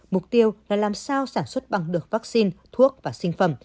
mục tiêu là làm sao sản xuất bằng được vaccine thuốc và sinh phẩm